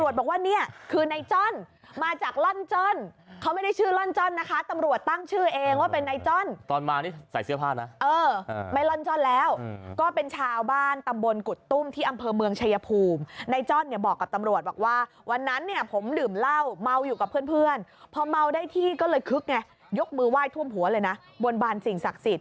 ช่วยตรวจสอบด้วยแก้ผ้าขี่มอไซค์